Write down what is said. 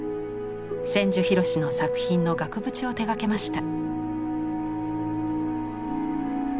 千住博の作品の額縁を手がけました。